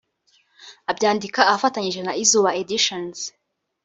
Abyandika afatanyije na Izuba Editions